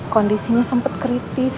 kondisinya sempat kritis